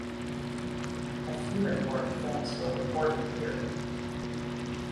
A few important films were recorded here.